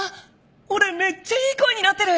俺めっちゃいい声になってる！